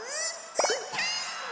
うーたん！